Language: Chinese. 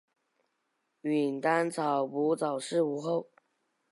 允丹藏卜早逝无后。